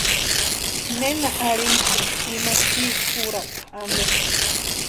¿Nena arhinhasïnki ima chiiti úrakwa ampe?